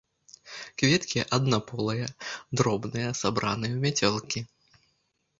Кветкі аднаполыя, дробныя, сабраныя ў мяцёлкі.